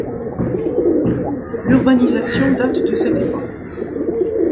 L'urbanisation date de cette époque.